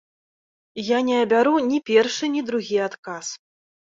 Я не абяру ні першы, ні другі адказ.